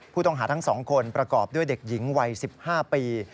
ผู้ต้องหาทั้ง๒คนประกอบด้วยเด็กหญิงวัย๑๕ปี